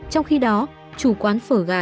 trong khi đó chủ quán phở gà